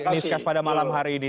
newscast pada malam hari ini